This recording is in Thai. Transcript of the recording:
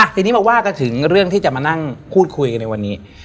ทีนี้มาว่ากันถึงเรื่องที่จะมานั่งพูดคุยกันในวันนี้